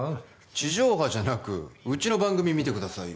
地上波じゃなくうちの番組見てくださいよ